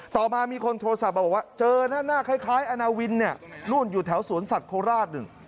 ต่อมามีคนโทรศัพท์มาบอกว่าเจอหน้าคล้ายอาณาวินเนี่ยนู่นอยู่แถวสวนสัตว์โคราชหนึ่ง